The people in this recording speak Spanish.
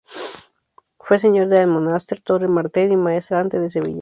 Fue señor de Almonaster, Torre Martel y maestrante de Sevilla.